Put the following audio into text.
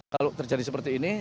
kalau terjadi seperti ini